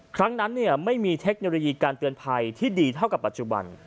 ครั้งนั้นไม่มีเทคโนโลยีการเตือนภัยที่ดีเท่ากับปัจจุบัน